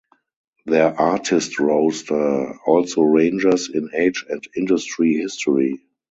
Their artist roster also ranges in age and industry history.